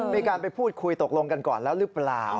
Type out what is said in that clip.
มีการไปพูดคุยตกลงกันก่อนแล้วหรือเปล่า